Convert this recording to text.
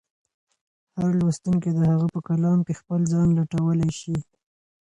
هر لوستونکی د هغه په کلام کې خپل ځان لټولی شي.